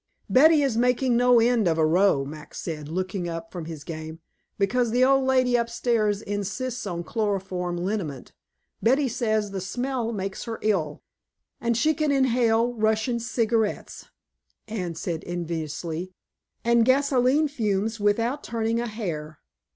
"Betty is making no end of a row," Max said, looking up from his game, "because the old lady upstairs insists on chloroform liniment. Betty says the smell makes her ill." "And she can inhale Russian cigarettes," Anne said enviously, "and gasolene fumes, without turning a hair.